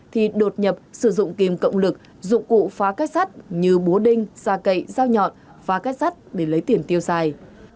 thì đột nhập sử dụng kiềm cộng lực dụng cụ phá kết sát như búa đinh xa cậy dao nhọn phá kết sát để lấy tiền tiêu xài